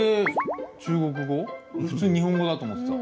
普通に日本語だと思ってた。